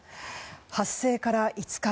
発生から５日目。